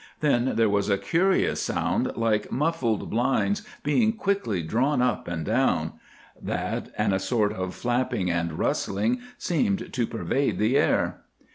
Then there was a curious sound like muffled blinds being quickly drawn up and down; that and a sort of flapping and rustling seemed to pervade the air.